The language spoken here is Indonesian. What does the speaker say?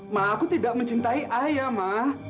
mah aku tidak mencintai ayah ma